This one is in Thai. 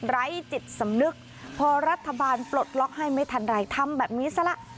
ไร้จิตสำนึกพอรัฐบาลปลดล็อกให้ไม่ทันไรทำแบบนี้ซะละ